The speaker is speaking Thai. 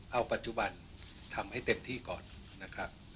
เอาปัจจุบันทำให้เต็มที่ก่อนนะครับ